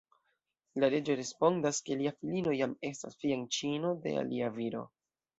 La reĝo respondas, ke lia filino jam estas fianĉino de alia viro.